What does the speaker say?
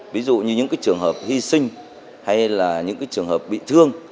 ví dụ như những trường hợp hy sinh hay là những trường hợp bị thương